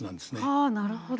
はあなるほどね。